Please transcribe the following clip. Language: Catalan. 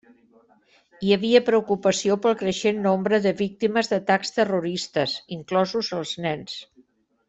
Hi havia preocupació pel creixent nombre de víctimes d'atacs terroristes, inclosos els nens.